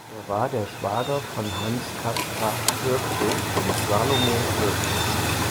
Er war der Schwager von Hans Caspar Hirzel und Salomon Hirzel.